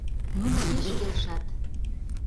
Нуно пеш келшат.